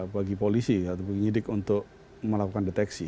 bagi polisi atau penyidik untuk melakukan deteksi